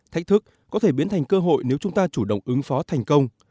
thách thức có thể biến thành cơ hội nếu chúng ta chủ động ứng phó thành công